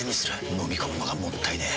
のみ込むのがもったいねえ。